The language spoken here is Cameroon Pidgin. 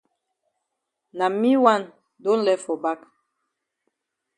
Na me wan do lef for back.